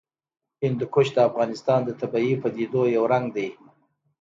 هندوکش د افغانستان د طبیعي پدیدو یو رنګ دی.